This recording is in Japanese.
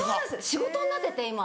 仕事になってて今。